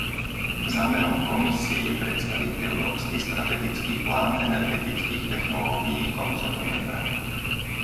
Zámerom Komisie je predstaviť Európsky strategický plán energetických technológií koncom novembra.